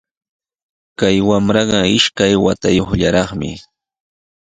Kay wamraqa ishkay watayuqllaraqmi